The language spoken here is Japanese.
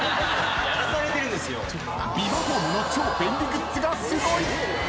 ［ビバホームの超便利グッズがすごい！］